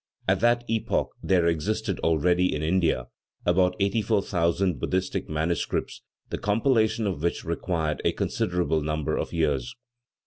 At that epoch there existed already in India about 84,000 Buddhistic manuscripts, the compilation of which required a considerable number of years.